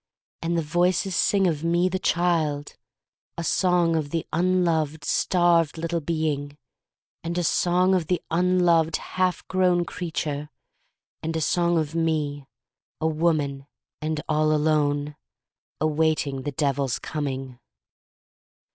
And the voices sing of me the child — a song of the unloved, starved little being; and a song of the unloved, half grown creature; and a song of me, a woman and all alone — awaiting the Devil's coming.